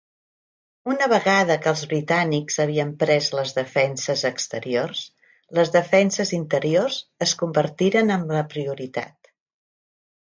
Una vegada que els britànics havien pres les defenses exteriors, les defenses interiors es convertiren en la prioritat.